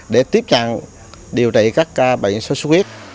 để tiếp nhận điều trị các bệnh xuất xuất huyết